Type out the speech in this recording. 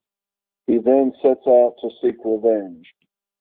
He then sets out to seek revenge.